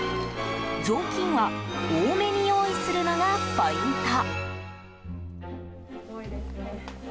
雑巾は多めに用意するのがポイント。